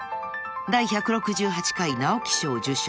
［第１６８回直木賞受賞